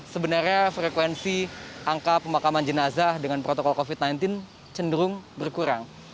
sebenarnya frekuensi angka pemakaman jenazah dengan protokol covid sembilan belas cenderung berkurang